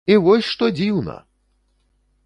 І вось што дзіўна!